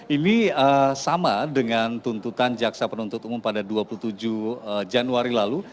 ini sama dengan tuntutan jaksa penuntut umum pada dua puluh tujuh januari lalu